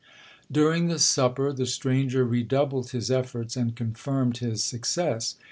'During the supper, the stranger redoubled his efforts, and confirmed his success.